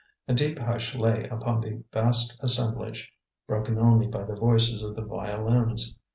A deep hush lay upon the vast assemblage, broken only by the voices of the violins.